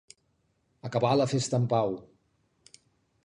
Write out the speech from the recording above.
Acabar la festa en pau.